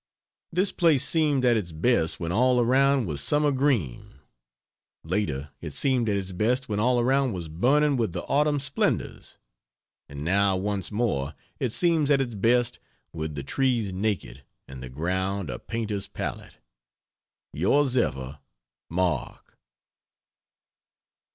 This place seemed at its best when all around was summer green; later it seemed at its best when all around was burning with the autumn splendors; and now once more it seems at its best, with the trees naked and the ground a painter's palette. Yours ever, MARK.